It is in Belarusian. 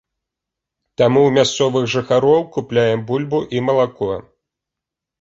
Таму ў мясцовых жыхароў купляем бульбу і малако.